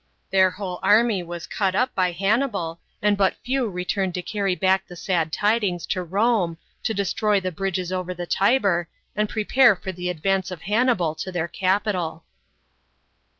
Their whole army was cut up by Hannibal, and but few returned to carry back the sad tidings to Rome, to destroy the bridges over the Tiber, and prepare for the ad vane 3 of Hannibal to their capital.